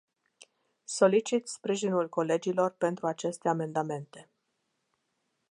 Solicit sprijinul colegilor pentru aceste amendamente.